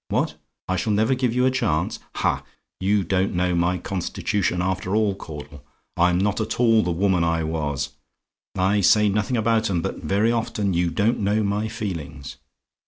What? "I SHALL NEVER GIVE YOU A CHANCE? "Ha! you don't know my constitution after all, Caudle. I'm not at all the woman I was. I say nothing about 'em, but very often you don't know my feelings.